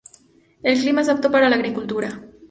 El clima es apto para la agricultura.